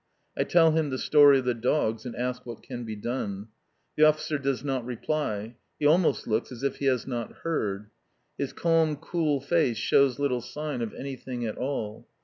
I tell him the story of the dogs and ask what can be done. The officer does not reply. He almost looks as if he has not heard. His calm, cool face shows little sign of anything at all.